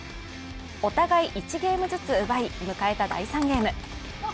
お互い１ゲームずつ奪い迎えた第３ゲーム。